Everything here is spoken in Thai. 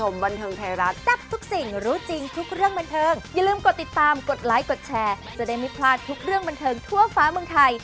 ไม่พลาดทุกเรื่องบันเทิงทั่วฟ้าเมืองไทย